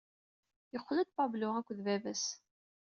Yeqqel-d Pablo akked baba-s.